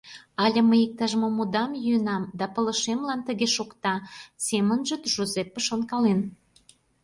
«Але мый иктаж мом удам йӱынам да пылышемлан тыге шокта?» семынже Джузеппе шонкален...